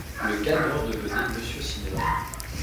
Le gagnant devenait Monsieur Cinéma.